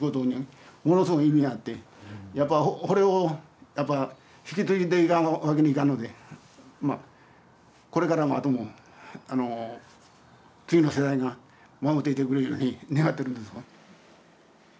ものすごく意味があってやっぱほれを引き継いでいかんわけにいかんのでまあこれからも後も次の世代が守っていってくれるように願ってるんですわ。